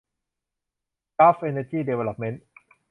กัลฟ์ เอ็นเนอร์จี ดีเวลลอปเมนท์